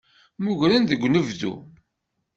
Meggren deg unebdu.